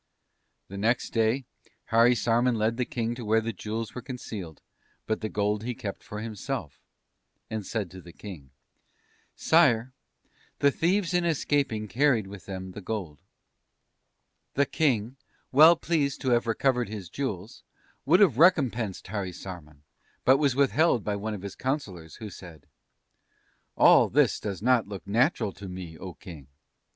"The next day Harisarman led the King to where the jewels were concealed, but the gold he kept for himself, and said to the King: "'Sire, the thieves in escaping carried with them the gold.' "The King, well pleased to have recovered his jewels, would have recompensed Harisarman, but was withheld by one of his Councillors, who said: "'All this does not look natural to me, oh, King.